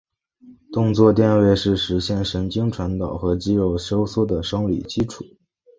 动作电位是实现神经传导和肌肉收缩的生理基础。